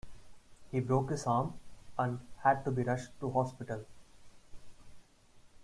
He broke his arm and had to be rushed to hospital.